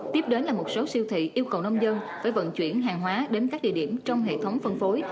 tiếp đến là một số siêu thị yêu cầu nông dân phải vận chuyển hàng hóa đến các địa điểm trong hệ thống phân phối